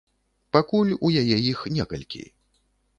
Пакуль у яе іх некалькі.